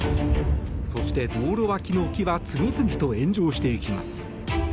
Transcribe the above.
そして、道路脇の木は次々と炎上していきます。